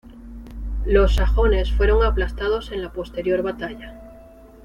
Los sajones fueron aplastados en la posterior batalla.